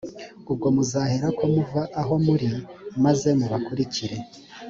ubwo muzahereko muva aho muri, maze mubakurikire;